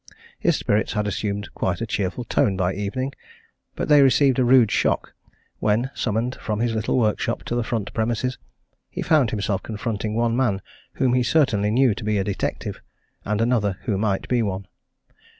His spirits had assumed quite a cheerful tone by evening but they received a rude shock when, summoned from his little workshop to the front premises, he found himself confronting one man whom he certainly knew to be a detective, and another who might be one.